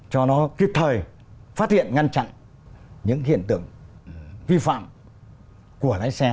cho nó kịp thời phát hiện ngăn chặn những hiện tượng vi phạm của lái xe